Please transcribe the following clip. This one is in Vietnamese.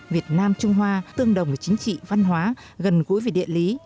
việt nam trung hoa tương đồng về chính trị văn hóa gần gũi về địa lý